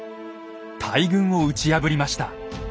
大軍を打ち破りました。